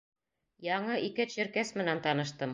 Яңы ике черкес менән таныштым.